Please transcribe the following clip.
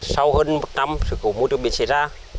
sau hơn một năm sự cố môi trường biển xảy ra